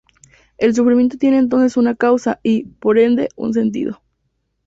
El sufrimiento tiene entonces una causa y, por ende, un sentido.